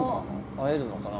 会えるのかな？